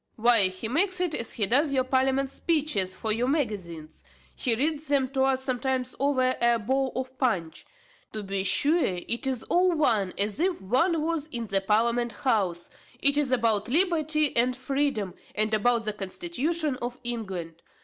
"Why he makes it, as he doth your parliament speeches for your magazines. He reads them to us sometimes over a bowl of punch. To be sure it is all one as if one was in the parliament house it is about liberty and freedom, and about the constitution of England.